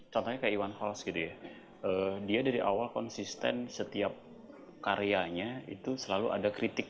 contohnya kayak iwan hols gitu ya dia dari awal konsisten setiap karyanya itu selalu ada kritik